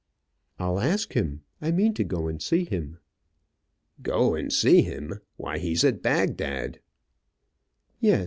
"I'll ask him. I mean to go and see him." "Go and see him! Why, he's at Bagdad." "Yes.